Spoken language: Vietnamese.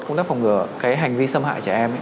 công tác phòng ngừa cái hành vi xâm hại trẻ em